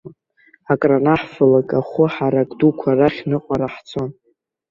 Акранаҳфалак ахәы ҳарак дуқәа рахь ныҟәара ҳцон.